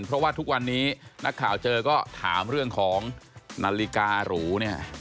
เพราะว่าทุกวันนี้นักข่าวเจอก็ถามเรื่องของนาฬิการูเนี่ย